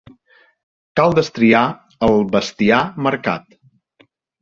Cal destriar el bestiar marcat.